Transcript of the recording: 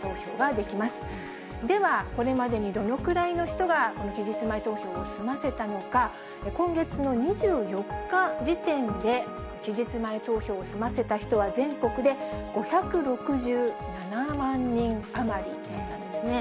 では、これまでにどのくらいの人が、この期日前投票を済ませたのか、今月の２４日時点で、期日前投票を済ませた人は、全国で５６７万人余りなんですね。